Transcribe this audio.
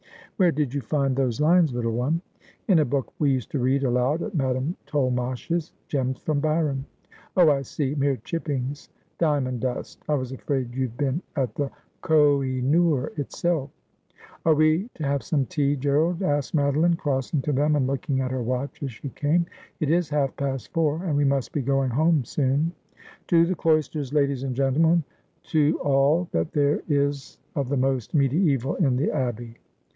"'' Where did you find those lines, little one ?'' In a book we used to read aloud at Madame Tolmache's, " Gems from Byron." '' Oh, I see ! Mere chippings, diamond dust. I was afraid you'd been at the Koh i noor itself.' ' Are we to have some tea, Gerald ?' asked Madeline, crossing to them and looking at her watch as she came. ' It is half past four, and we must be going home soon.' ' To the cloisters, ladies and gentlemen, to all that there is of the most mediaeval in the Abbey.'